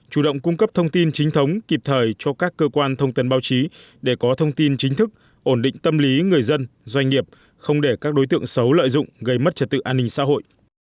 chủ động cung cấp thông tin chính thống kịp thời cho các cơ quan thông tin báo chí để có thông tin chính thức ổn định tâm lý người dân doanh nghiệp không để các đối tượng xấu lợi dụng gây mất trật tự an ninh xã hội